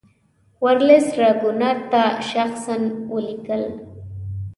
ورلسټ راګونات ته شخصا ولیکل.